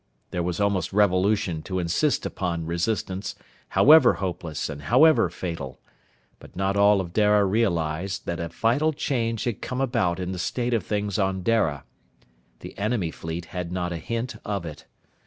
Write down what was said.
There was almost revolution to insist upon resistance, however hopeless and however fatal. But not all of Dara realized that a vital change had come about in the state of things on Dara. The enemy fleet had not a hint of it.